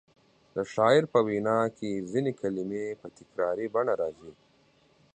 د شاعر په وینا کې ځینې کلمې په تکراري بڼه راځي.